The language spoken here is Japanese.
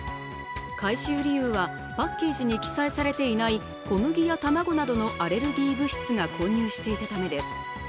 回収理由はパッケージに記載されていない小麦や卵などのアレルギー物質が混入していたためです。